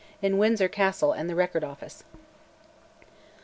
in Windsor Castle and the Record Office.